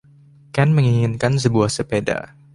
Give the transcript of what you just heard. Ken menginginkan sebuah sepeda.